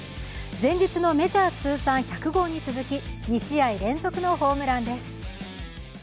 前日のメジャー通算１００号に続き２試合連続のホームランです。